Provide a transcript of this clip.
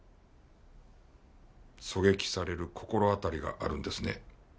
狙撃される心当たりがあるんですね。